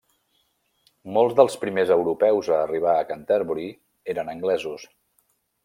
Molts dels primers europeus a arribar a Canterbury eren anglesos.